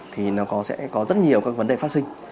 thì nó sẽ có rất nhiều các vấn đề phát sinh